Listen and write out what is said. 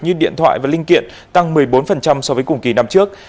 như điện thoại và linh kiện tăng một mươi bốn so với cùng kỳ năm trước